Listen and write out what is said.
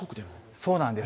そうなんです。